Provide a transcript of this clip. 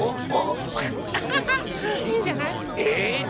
アハハいいんじゃない？え？